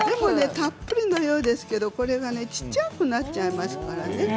たっぷりのようですがこれが小っちゃくなっちゃいますからね。